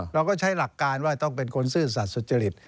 เราก็ใช้หลักการว่าต้องเป็นคนซื่อสัตว์สุจริต